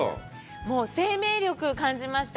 もう生命力を感じました。